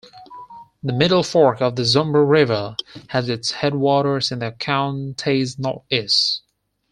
The Middle Fork of the Zumbro River has its headwaters in the county's northeast.